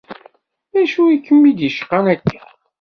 D acu i kem-id-icqan akka?